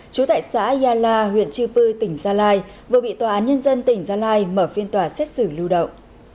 trú tại xã yala huyện chư pư tỉnh gia lai vừa bị tòa án nhân dân tỉnh gia lai mở phiên tòa xét xử lưu động